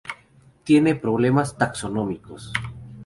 Tiene problemas taxonómicos.